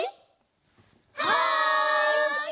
はい！